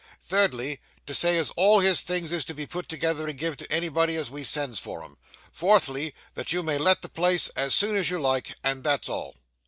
Thirdly, to say as all his things is to be put together, and give to anybody as we sends for 'em. Fourthly, that you may let the place as soon as you like and that's all.